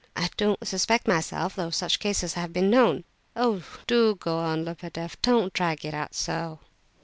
I don't suspect myself, though such cases have been known." "Oh! do go on, Lebedeff! Don't drag it out so."